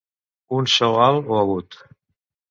Un so alt o agut.